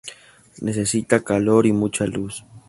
Necesita calor y mucha luz.